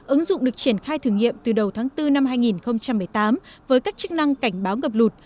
ứng dụng được triển khai thử nghiệm từ đầu tháng bốn năm hai nghìn một mươi tám với các chức năng cảnh báo ngập lụt